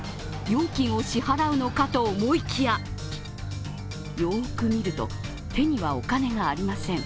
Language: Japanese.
料金を支払うのかと思いきや、よく見ると、手にはお金がありません。